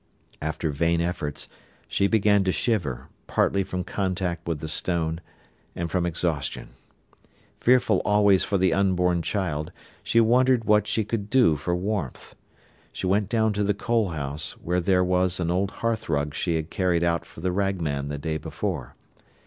After vain efforts, she began to shiver, partly from contact with the stone, and from exhaustion. Fearful always for the unborn child, she wondered what she could do for warmth. She went down to the coal house, where there was an old hearthrug she had carried out for the rag man the day before.